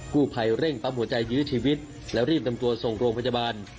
ผู้ภัยเร่งปั๊มหัวใจยื้อชีวิตแล้วรีบนำตัวส่งโรงพยาบาล